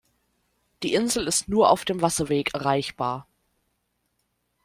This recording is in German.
Die Insel ist nur auf dem Wasserweg erreichbar.